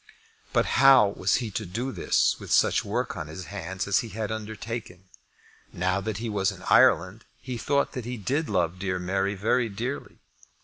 But how was he to do this with such work on his hands as he had undertaken? Now that he was in Ireland, he thought that he did love dear Mary very dearly.